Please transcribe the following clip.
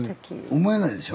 思えないでしょ？